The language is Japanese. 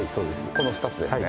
この２つですね